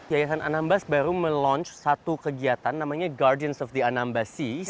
yayasan anambas baru meluncur satu kegiatan namanya guardians of the anambas sea